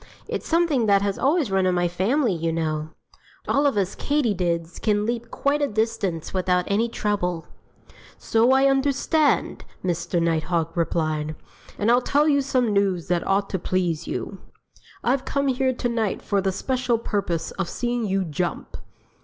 It's something that has always run in my family, you know. All of us Katydids can leap quite a distance without any trouble." "So I understand!" Mr. Nighthawk replied. "And I'll tell you some news that ought to please you: I've come here to night for the special purpose of seeing you jump!"